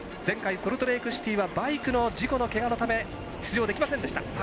前回、ソルトレークシティーはバイクの事故のけがのため出場できませんでした。